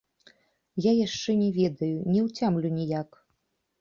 Я яшчэ не ведаю, не ўцямлю ніяк.